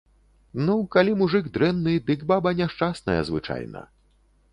Ну, калі мужык дрэнны, дык баба няшчасная звычайна.